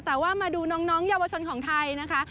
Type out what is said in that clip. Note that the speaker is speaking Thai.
แต่ว่ามาดูน้องเยาวชนของไทยนะคะ